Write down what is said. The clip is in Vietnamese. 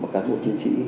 các bộ chiến sĩ